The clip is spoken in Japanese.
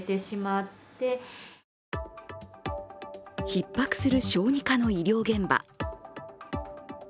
ひっ迫する小児科の医療現場。